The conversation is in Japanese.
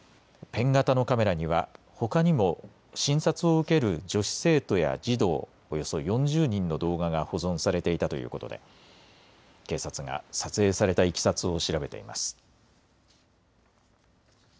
ペン型のカメラには、ほかにも診察を受ける女子生徒や児童およそ４０人の動画が保存されていたということで警察が撮影されたいきさつを調べています。